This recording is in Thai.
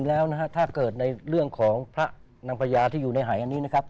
แล้วนะฮะถ้าเกิดในเรื่องของพระนางพญาที่อยู่ในหายอันนี้นะครับ